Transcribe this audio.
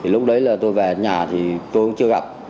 lúc đấy tôi về nhà tôi chưa gặp